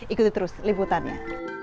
ikuti terus liputannya